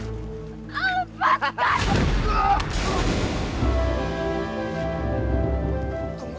kamu bukan balasanku